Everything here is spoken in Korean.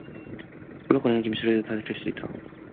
쿨룩거리는 기침 소리도 들을 수 없다.